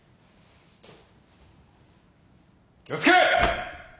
気を付け！